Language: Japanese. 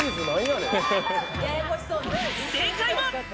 正解は。